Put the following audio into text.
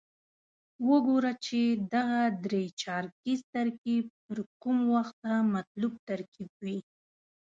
وګورو چې دغه درې چارکیز ترکیب تر کومه وخته مطلوب ترکیب وي.